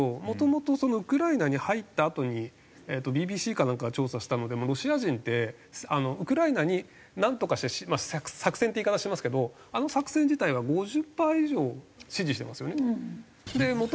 もともとウクライナに入ったあとにＢＢＣかなんかが調査したのでもロシア人ってウクライナになんとかして作戦って言い方してますけどあの作戦自体は５０パー以上支持してますよね。